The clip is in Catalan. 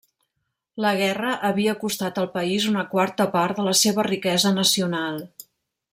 La guerra havia costat al país una quarta part de la seva riquesa nacional.